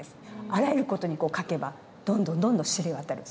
あらゆる事に書けばどんどんどんどん知れ渡る。